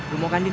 lo mau kan din